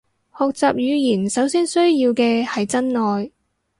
學習語言首先需要嘅係真愛